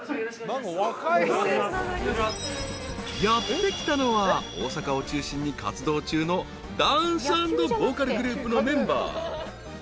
［やって来たのは大阪を中心に活動中のダンス＆ボーカルグループのメンバー］